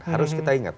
harus kita ingat